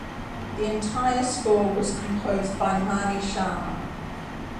The entire score was composed by Mani Sharma.